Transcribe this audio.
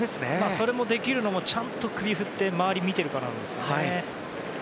それができるのはちゃんと首を振って周りを見ているからなんですよね。